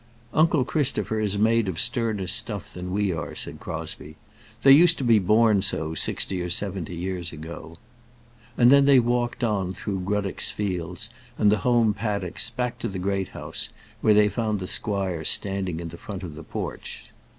"Uncle Christopher is made of sterner stuff than we are," said Crosbie. "They used to be born so sixty or seventy years ago." And then they walked on through Gruddock's fields, and the home paddocks, back to the Great House, where they found the squire standing in the front of the porch.